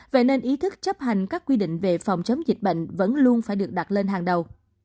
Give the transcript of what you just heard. vậy nên ý thức chấp hành các quy định về phòng chống dịch bệnh vẫn luôn phải được đặt lên hàng đầu